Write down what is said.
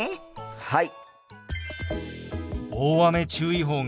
はい！